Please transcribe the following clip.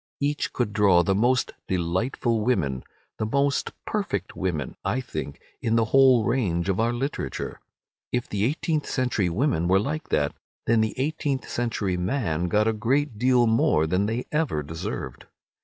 Each could draw the most delightful women—the most perfect women, I think, in the whole range of our literature. If the eighteenth century women were like that, then the eighteenth century men got a great deal more than they ever deserved.